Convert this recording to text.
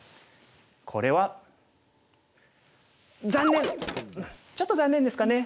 これはちょっと残念ですかね。